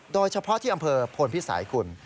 โดยเฉพาะที่อำเภอพลพิสัยคุณ